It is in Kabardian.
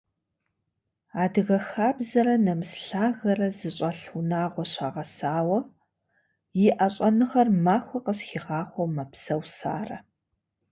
Адыгэ хабзэрэ нэмыс лъагэрэ зыщӏэлъ унагъуэ щагъэсауэ, иӏэ щӏэныгъэр махуэ къэс хигъахъуэу мэпсэу Сарэ.